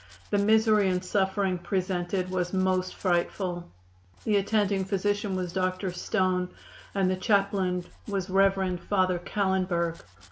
The misery and suffering presented was most frightful. The attending physician was Dr. Stone, and the chaplain was Rev. Father Callenberg.